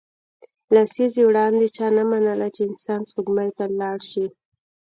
لسیزې وړاندې چا نه منله چې انسان سپوږمۍ ته لاړ شي